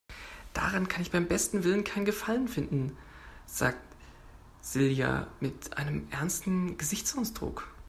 Daran kann ich beim besten Willen keinen Gefallen finden, sagte Silja mit einem ernsten Gesichtsausdruck.